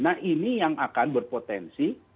nah ini yang akan berpotensi